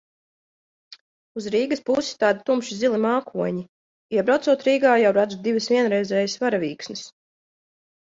Uz Rīgas pusi tādi tumši zili mākoņi. Iebraucot Rīgā, jau redzu divas vienreizējas varavīksnes.